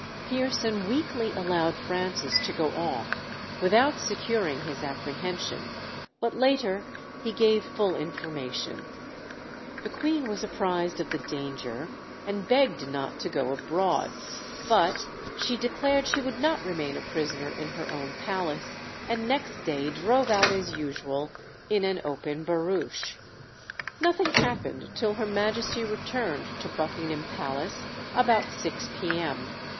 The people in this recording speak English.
Pearson weakly allowed Francis to go off without securing his apprehension, but later he gave full information. The Queen was apprised of the danger, and begged not to go abroad; but she declared she would not remain a prisoner in her own palace, and next day drove out as usual in an open barouche. Nothing happened till Her Majesty returned to Buckingham Palace about six p.m.